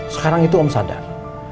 sekarang itu om sadar